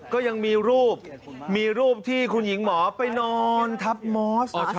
ก็ยังมีรูปมีรูปที่คุณหญิงหมอไปนอนทับมอส